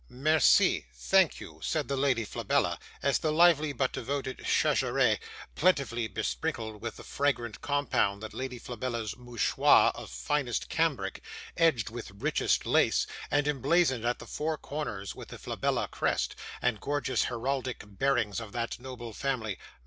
'"MERCIE thank you," said the Lady Flabella, as the lively but devoted Cherizette plentifully besprinkled with the fragrant compound the Lady Flabella's MOUCHOIR of finest cambric, edged with richest lace, and emblazoned at the four corners with the Flabella crest, and gorgeous heraldic bearings of that noble family.